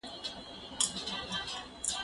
زه سندري اورېدلي دي؟!